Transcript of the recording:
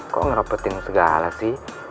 kok ngeropetin segala sih